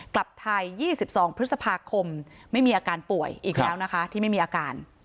กลับไทย๒๒พฤษภาคมไม่มีอาการป่วยอีกแล้วนะคะที่ไม่มีอาการ